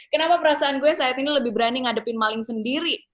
kenapa perasaan gue saat ini lebih berani ngadepin maling sendiri